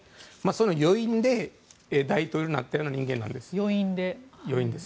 その余韻で大統領になったような人間なんです。